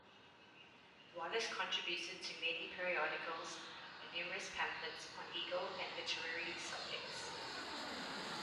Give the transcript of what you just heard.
Wallis contributed to many periodicals and numerous pamphlets on legal and literary subjects.